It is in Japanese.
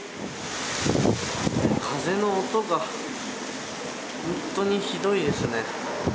風の音が本当にひどいですね。